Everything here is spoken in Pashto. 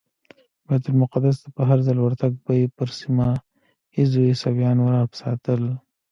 بیت المقدس ته په هرځل ورتګ به یې پر سیمه ایزو عیسویانو رعب ساتل.